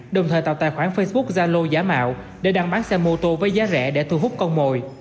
đồng thời tạo tài khoản facebook zalo giả mạo để đăng bán xe mô tô với giá rẻ để thu hút con mồi